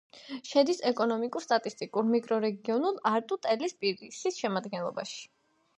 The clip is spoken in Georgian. შედის ეკონომიკურ-სტატისტიკურ მიკრორეგიონ ალტუ-ტელის-პირისის შემადგენლობაში.